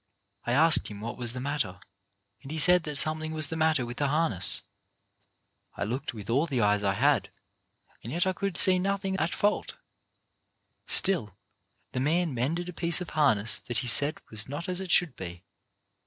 I asked him what was the matter, and he said that something was the matter with the harness. I looked with all the eyes I had, and yet I could see nothing at fault. Still the man mended a piece of harness that he said was not as it should be.